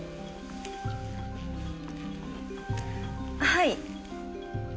はい。